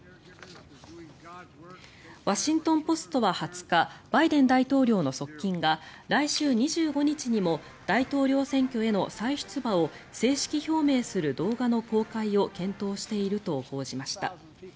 ワシントン・ポストは２０日バイデン大統領の側近が来週２５日にも大統領選挙への再出馬を正式表明する動画の公開を検討していると報じました。